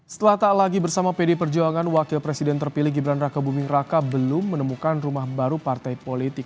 setelah tak lagi bersama pd perjuangan wakil presiden terpilih gibran raka buming raka belum menemukan rumah baru partai politik